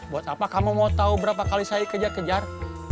buat apa kamu mau tahu berapa kali saya kejar kejar